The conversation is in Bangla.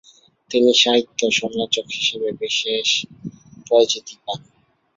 তিনি সাহিত্য সমালোচক হিসেবে বিশেষ পরিচিতি পান।